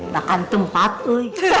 makan tempat lu